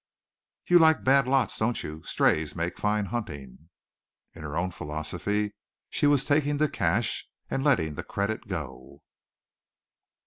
"You like bad lots, don't you? Strays make fine hunting." In her own philosophy she was taking the cash and letting the credit go.